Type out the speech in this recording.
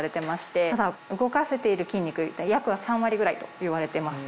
ただ動かせている筋肉約３割ぐらいといわれてます。